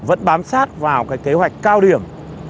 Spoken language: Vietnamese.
vẫn bám sát vào cái kế hoạch cao điểm hai trăm chín mươi chín